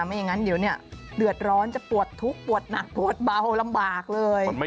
ไม่อย่างนั้นเดี๋ยวเนี่ยเดือดร้อนจะปวดทุกข์ปวดหนักปวดเบาลำบากเลย